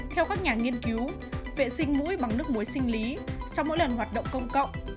theo các nhà nghiên cứu vệ sinh mũi bằng nước muối sinh lý sau mỗi lần hoạt động công cộng